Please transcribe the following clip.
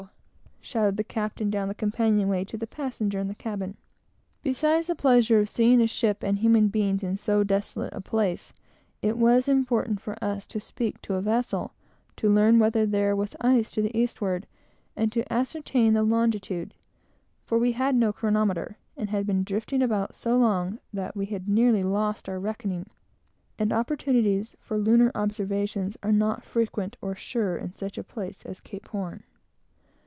shouted the captain down the companion way to the passenger in the cabin. Besides the pleasure of seeing a ship and human beings in so desolate a place, it was important for us to speak a vessel, to learn whether there was ice to the eastward, and to ascertain the longitude; for we had no chronometer, and had been drifting about so long that we had nearly lost our reckoning, and opportunities for lunar observations are not frequent or sure in such a place as Cape Horn.